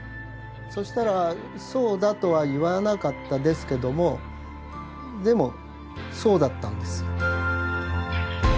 そしたらそうだとは言わなかったですけどもでもそうだったんですよ。